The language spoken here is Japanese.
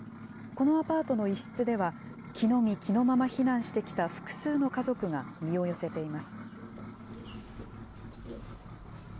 このアパートの一室では、着のみ着のまま避難してきた複数の家族が身を寄せています。